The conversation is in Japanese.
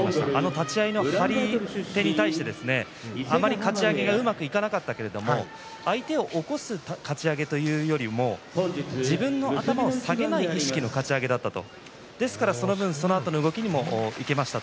立ち合いの張り手に対してあまりかち上げがうまくいかなかったけれども相手を起こすかち上げというよりも自分の頭を下げない意識のかち上げだったと。